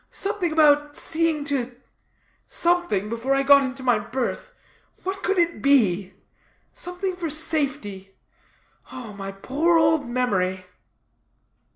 Something about seeing to something before I got into my berth. What could it be? Something for safety. Oh, my poor old memory!"